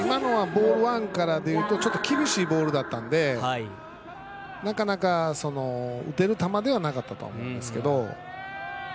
ボールワンから言うと厳しいボールだったのでなかなか打てる球ではなかったと思うんですけど。